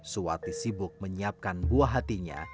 suwati sibuk menyiapkan buah hatinya